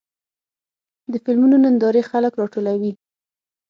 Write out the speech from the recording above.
د فلمونو نندارې خلک راټولوي.